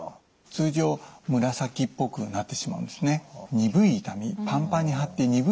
通常紫っぽくなってしまうんですね。